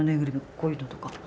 こういうのとか。